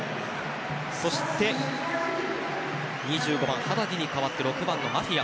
そして２５番、ハッダディに代わって６番、ラフィア。